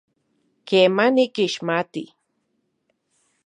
Kema, nikixmati.